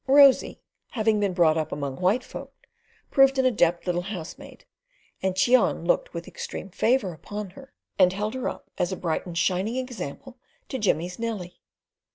Rosy, having been brought up among white folk, proved an adept little housemaid and Cheon looked with extreme favour upon her, and held her up as a bright and shining example to Jimmy's Nellie.